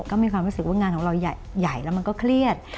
ก็มีความรู้สึกว่างานของเราใหญ่แล้วมันก็เครียด